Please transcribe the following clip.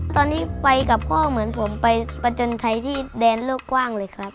ตอนนี้ไปกับพ่อเหมือนผมไปประจนไทยที่แดนโลกกว้างเลยครับ